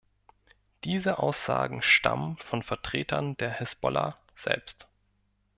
Diese Aussagen stammen von Vertretern der Hisbollah selbst.